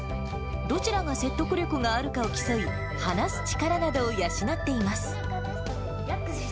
どちらが説得力があるかを競い、話す力などを養っています。